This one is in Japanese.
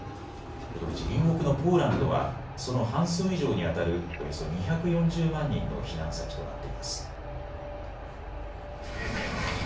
このうち隣国のポーランドはその半数以上にあたるおよそ２４０万人の避難先となっています。